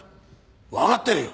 分かってるよ！